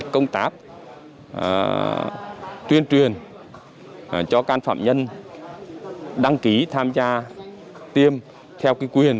công tác tuyên truyền cho can phạm nhân đăng ký tham gia tiêm theo quyền